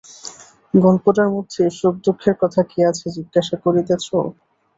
গল্পটার মধ্যে সুখদুঃখের কথা কী আছে জিজ্ঞাসা করিতেছ?